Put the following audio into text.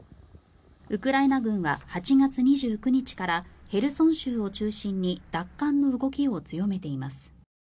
ウクライナ軍は８月２９日からヘルソン州を中心に奪還の動きを強めています。